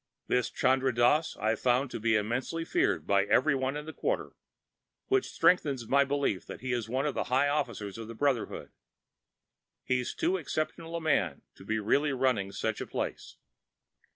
This Chandra Dass I've found to be immensely feared by everyone in the quarter, which strengthens my belief that he's one of the high officers of the Brotherhood. He's too exceptional a man to be really running such a place."